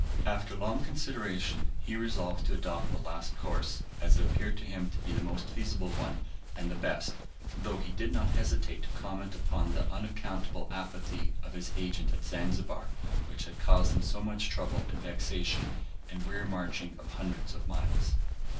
After long consideration, he resolved to adopt the last course, as it appeared to him to be the most feasible one, and the best, though he did not hesitate to comment upon the unaccountable apathy of his agent at Zanzibar, which had caused him so much trouble and vexation, and weary marching of hundreds of miles.